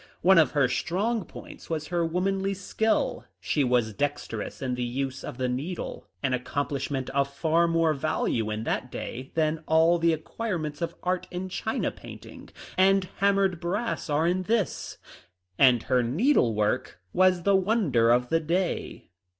One of her strong points was her womanly skill. She was dex terous in the use of the needle — an accomplishment of far more value in that day than all the acquire ments of art in china painting and hammered brass are in this — and her needle work was the wonder of the day.